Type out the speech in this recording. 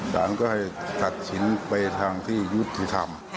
แสดงก็ให้จัดชินไปทางที่ยุคทำ